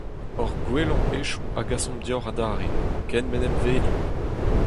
Hor gwellañ hetoù a gasomp deoc'h adarre, ken m'en em welimp !